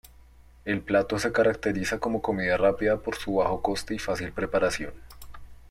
El plato se caracteriza como comida rápida por su bajo coste y fácil preparación.